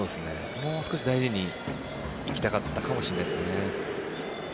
もう少し大事に行きたかったかもしれないですね。